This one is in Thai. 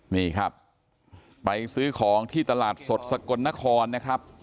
นี่ครับไปซื้อของที่ตลาดสดสกลนครนะครับ